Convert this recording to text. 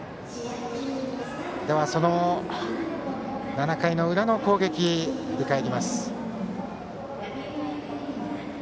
その７回の裏の攻撃を振り返ります。